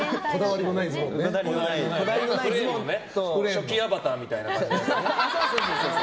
初期アバターみたいな感じね。